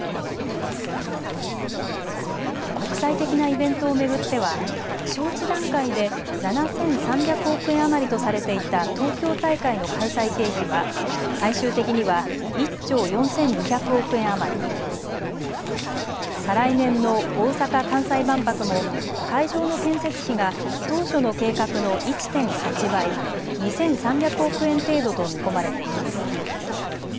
国際的なイベントを巡っては招致段階で７３００億円余りとされていた東京大会の開催経費は最終的には１兆４２００億円余りに再来年の大阪・関西万博も会場の建設費が当初の計画の１．８倍２３００億円程度と見込まれています。